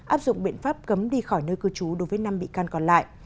áp dụng biện pháp cấm đi khỏi nơi cư trú đối với năm bị can còn lại